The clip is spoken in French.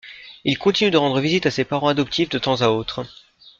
Il continue de rendre visite à ses parents adoptifs de temps à autre.